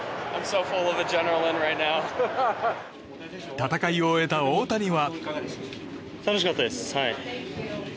戦いを終えた大谷は。